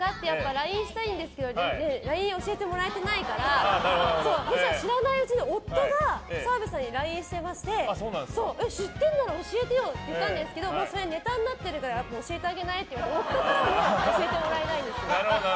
ＬＩＮＥしたいんですけどＬＩＮＥ教えてもらえてないからそうしたら、夫が知らないうちに澤部さんにＬＩＮＥしてまして知っているなら教えてと言ったんですけどそれがネタになってるから教えてあげないって言って夫からも教えてもらえないんですよ。